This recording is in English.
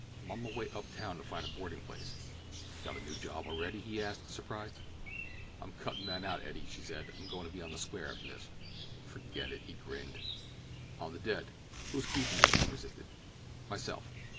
"I'm on my way uptown to find a boarding place." "Got a new job already?" he asked, surprised. "I'm cuttin' that out, Eddie," she said. "I'm goin' to be on the square after this." "Forget it," he grinned. "On the dead." "Who's keepin' you?" he persisted. "Myself."